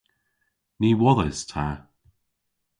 Ny wodhes ta.